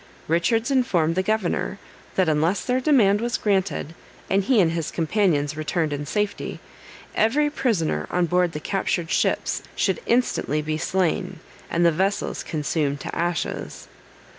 Richards informed the governor, that unless their demand was granted, and he and his companions returned in safety, every prisoner on board the captured ships should instantly be slain, and the vessels consumed to ashes.